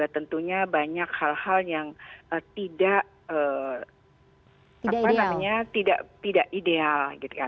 tentunya banyak hal hal yang tidak ideal